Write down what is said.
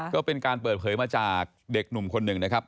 ก็เป็นการเปิดเผยมาจากเด็กหนุ่มคนหนึ่งนะครับ